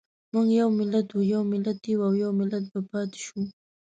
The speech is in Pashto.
موږ یو ملت وو، یو ملت یو او يو ملت به پاتې شو.